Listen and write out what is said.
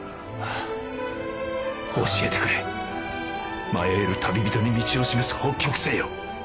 教えてくれ迷える旅人に道を示す北極星よ